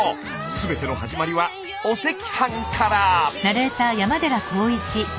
全ての始まりはお赤飯から。